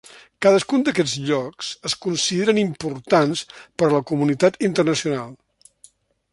Cadascun d'aquests llocs es consideren importants per a la comunitat internacional.